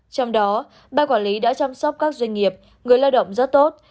trong đó ba quản lý đã chăm sóc các doanh nghiệp người lao động rất tốt